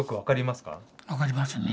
分かりますね